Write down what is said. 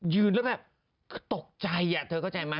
ยืนแล้วแบบตกใจอ่ะเธอก็ใจมั้ย